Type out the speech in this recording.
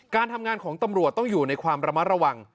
การทำงานของตำรวจต้องอยู่ในความระมัดระวัง